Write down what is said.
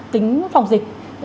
tính phòng dịch